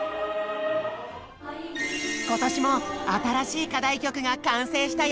今年も新しい課題曲が完成したよ！